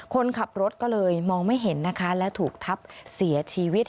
คนขับรถก็เลยมองไม่เห็นนะคะและถูกทับเสียชีวิต